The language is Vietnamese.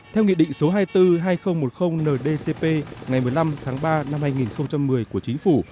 theo nghị định số hai mươi bốn hai nghìn một mươi ndcp ngày một mươi năm tháng ba năm hai nghìn một mươi của chính phủ